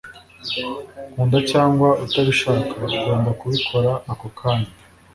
Nkunda cyangwa utabishaka ugomba kubikora ako kanya